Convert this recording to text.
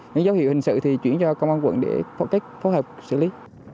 những dấu hiệu hình sự thì chuyển cho công an quận để phối hợp xử lý